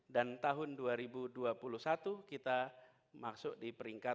dan tahun dua ribu dua puluh satu kita masuk di peringkat dua puluh